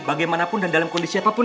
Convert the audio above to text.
bagaimanapun dan dalam kondisi apapun